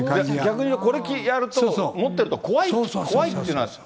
逆にこれやると、持ってると怖いっていうのが。